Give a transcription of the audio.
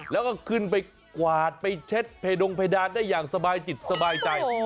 แล้วก็ขึ้นไปกวาดไปเช็ดเพดงเพดานได้อย่างสบายจิตสบายใจ